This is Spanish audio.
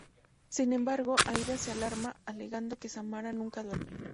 Sin embargo, Aidan se alarma, alegando que Samara "nunca duerme".